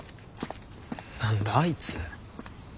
何だあいつ。